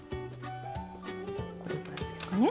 これぐらいですかね。